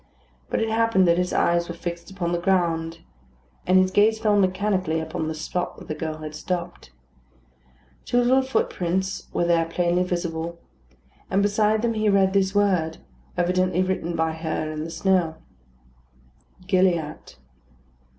But it happened that his eyes were fixed upon the ground; his gaze fell mechanically upon the spot where the girl had stopped. Two little footprints were there plainly visible; and beside them he read this word, evidently written by her in the snow "GILLIATT."